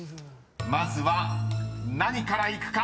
［まずは何からいくか？